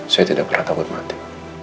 saya tidak pernah takut mati